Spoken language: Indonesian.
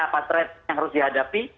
apa trade yang harus dihadapi